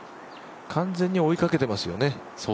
完全に追いかけていますよね